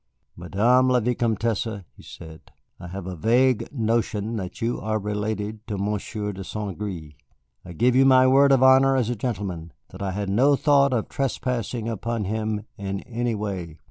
"Madame la Vicomtesse," he said, "I have a vague notion that you are related to Monsieur de St. Gré. I give you my word of honor as a gentleman that I had no thought of trespassing upon him in any way."